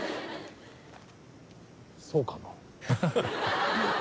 そうかな？